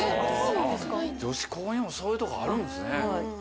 女子校にもそういうとこあるんですね。